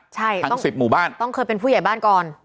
ใช่ค่ะทั้งสิบหมู่บ้านต้องเคยเป็นผู้ใหญ่บ้านก่อน